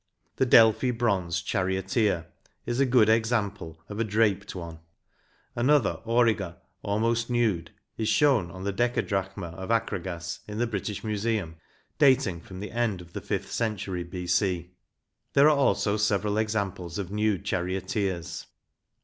4 The Delphi bronze Charioteer (Fig. 66) is a good example of a draped one. Another auriga almost nude is shown on a decadrachm of Akragas in the British Museum, dating from the end of the fifth century B. C.5 There are also several ex amples of nude charioteers.